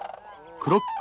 クロック。